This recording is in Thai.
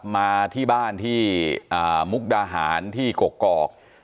มาที่บ้านที่มุกดาหารที่กกอก